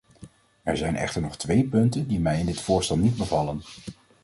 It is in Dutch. Er zijn echter nog twee punten die mij in dit voorstel niet bevallen.